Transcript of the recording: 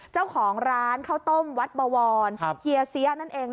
เจ้าของร้านข้าวต้มวัดบวรเฮียเสียนั่นเอง